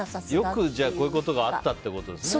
よくこういうことがあったってことですね。